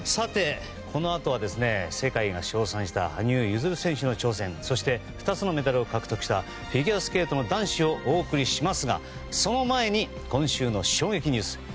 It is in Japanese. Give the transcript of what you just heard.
このあとは世界が称賛した羽生結弦選手の挑戦そして、２つのメダルを獲得したフィギュアスケートの男子をお送りしますがその前に、今週の衝撃ニュース。